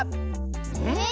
えっ？